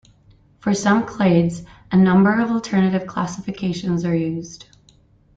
For some clades, a number of alternative classifications are used.